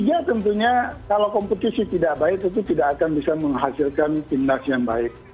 ya tentunya kalau kompetisi tidak baik itu tidak akan bisa menghasilkan timnas yang baik